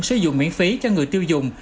sử dụng miễn phí cho người tiêu dùng